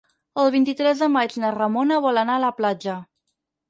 El vint-i-tres de maig na Ramona vol anar a la platja.